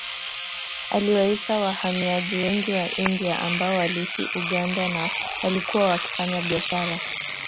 Aliwaita wahamiaji wengi wa India ambao waliishi Uganda na walikuwa wakifanya biashara